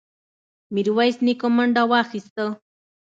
ميرويس نيکه منډه واخيسته.